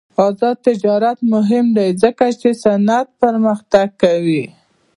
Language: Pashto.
آزاد تجارت مهم دی ځکه چې صنعت پرمختګ کوي.